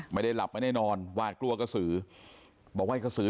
ไม่ได้หลับไม่ได้นอนวาดกลัวกระสือ